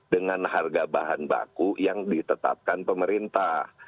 dengan harga bahan baku yang ditetapkan pemerintah